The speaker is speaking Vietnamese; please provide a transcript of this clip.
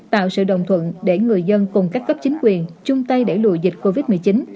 tạo sự đồng thuận để người dân cùng các cấp chính quyền chung tay đẩy lùi dịch covid một mươi chín